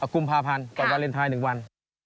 กุมภาพันธ์ก่อนวาเลนไทย๑วัน